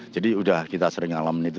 jadi udah kita sering ngalamin itu